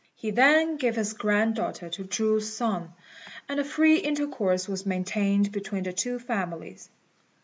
He then gave his granddaughter to Chu's son, and a free intercourse was maintained between the two families.